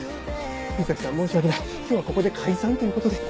藤崎さん申し訳ない今日はここで解散ということで。